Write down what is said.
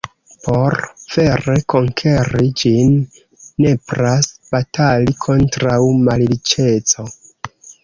Por vere konkeri ĝin, nepras batali kontraŭ malriĉeco.